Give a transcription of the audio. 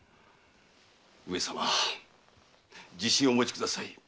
上様自信をお持ちください。